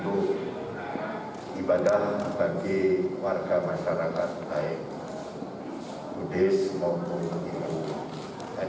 itu bisa digunakan untuk ibadah bagi warga masyarakat baik buddhis maupun hindu